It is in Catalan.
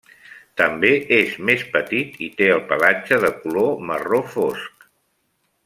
També és més petit i té el pelatge de color marró fosc.